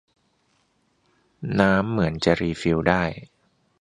น้ำเหมือนจะรีฟิลได้